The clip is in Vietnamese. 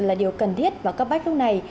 là điều cần thiết vào các bách lúc này